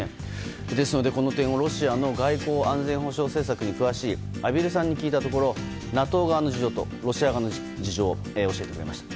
この点はロシアの外交・安全保障政策に詳しい畔蒜さんに聞いたところＮＡＴＯ側の事情とロシア側の事情を教えてくれました。